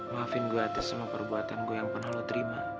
maafin gue atas semua perbuatan gue yang pernah lo terima